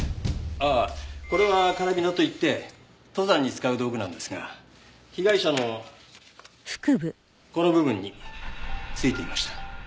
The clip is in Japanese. ああこれはカラビナといって登山に使う道具なんですが被害者のこの部分についていました。